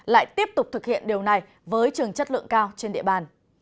lại tiếp tục thực hiện điều này với trường chất lượng cao trên địa bàn